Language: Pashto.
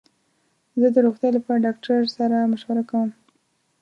زه د روغتیا لپاره ډاکټر سره مشوره کوم.